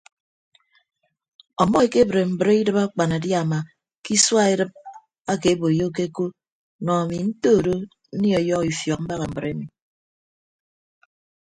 Ọmmọ ekebre mbre idịb akpanadiama ke isua edịp ake boyokeko nọ ami ntodo nnie ọyọhọ ifiọk mbaña mbre emi.